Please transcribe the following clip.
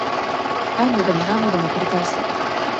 何度でも何度でも繰り返す